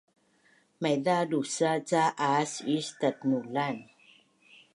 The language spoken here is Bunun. Maiza dusa’ ca aas is tatnulan